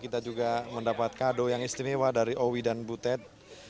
kita juga mendapat kado yang istimewa dari owi dan butet